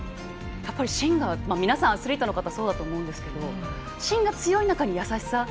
皆さんアスリートの方はそうだと思うんですけど芯が強い中に優しさ。